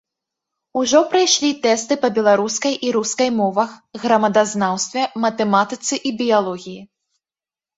Ужо прайшлі тэсты па беларускай і рускай мовах, грамадазнаўстве, матэматыцы і біялогіі.